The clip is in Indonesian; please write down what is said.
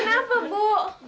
ibu kenapa bu